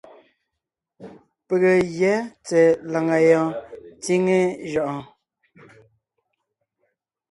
Pege gyɛ́ tsɛ̀ɛ làŋa yɔɔn tsíŋe jʉʼɔɔn.